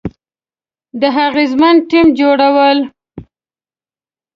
د اغیزمن ټیم جوړول،